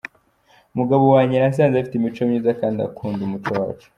Umugabo wanjye nasanze afite imico myiza kandi akunda umuco wacu.